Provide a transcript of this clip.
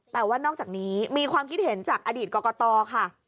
แต่ว่านอกจากนี้มีความคิดเห็นจากอดีตกรกตค่ะ